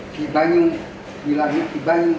akibanyu itu dulu dulunya akibanyu